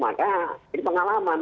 maka ini pengalaman